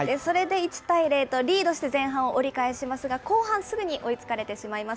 それで１対０とリードして前半を折り返しますが、後半すぐに追いつかれてしまいます。